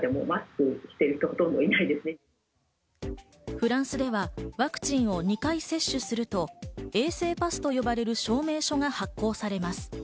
フランスではワクチンを２回接種すると衛生パスと呼ばれる証明書が発行されます。